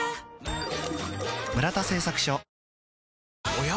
おや？